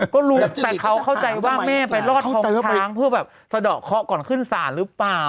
ก็รู้แต่เขาเข้าใจว่าแม่ไปรอดท้องช้างเพื่อแบบสะดอกเคาะก่อนขึ้นศาลหรือเปล่า